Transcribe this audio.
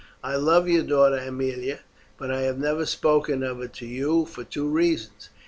"I love your daughter Aemilia, but I have never spoken of it to you for two reasons.